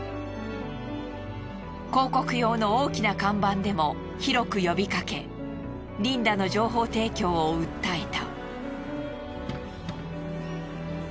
広告用の大きな看板でも広く呼びかけリンダの情報提供を訴えた。